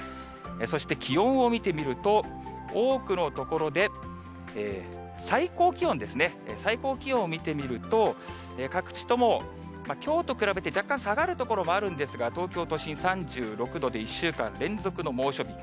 そして気温を見てみると、多くの所で、最高気温ですね、最高気温を見てみると、各地とも、きょうと比べて若干下がる所もあるんですが、東京都心３６度で、１週間連続の猛暑日。